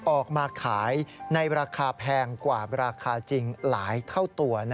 ออกมาขายในราคาแพงกว่าราคาจริงหลายเท่าตัว